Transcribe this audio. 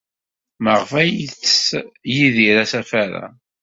Maɣef ay yettess Yidir asafar-a?